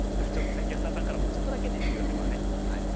安田さんからも「ちょっとだけね」っていう。